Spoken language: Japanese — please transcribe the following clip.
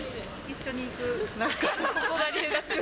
一緒に行く仲間。